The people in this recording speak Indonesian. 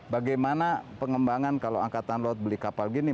bagaimana pengembangan kalau angkatan laut beli kapal gini